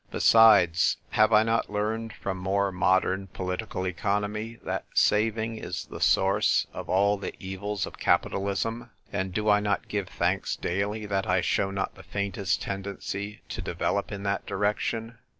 Besides, have I not learned from more modern political economy that saving is the source of all the evils of capitalism? — and do I not give thanks daily that I show not the faintest tendency to develop in that direction